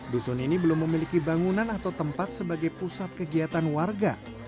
dusun ini belum memiliki bangunan atau tempat sebagai pusat kegiatan warga